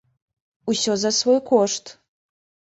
Усё за свой кошт!